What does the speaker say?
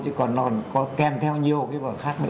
chứ còn nó có kèm theo nhiều cái vở khác nữa